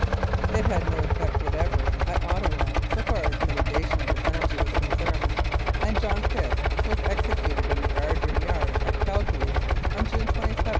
It had no effect whatever at Ottawa so far as mitiga tion of the penalty was concerned, and John Fisk was executed in the guard room yard at Calgary on June 27, 1911.